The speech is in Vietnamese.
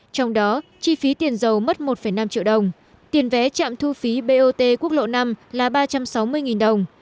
trong đó chi phí tiền giàu mất một năm triệu đồng tiền vé trạm thu phí bot quốc lộ năm là ba trăm sáu mươi đồng